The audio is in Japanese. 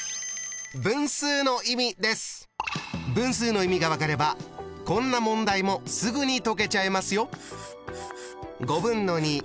分数の意味が分かればこんな問題もすぐに解けちゃいますよ。